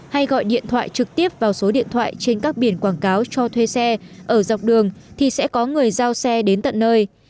hay gọi điện thoại trực tiếp vào số điện thoại trên các biển quảng cáo cho thuê xe ở dọc đường thì sẽ có người giao xe đến tận nơi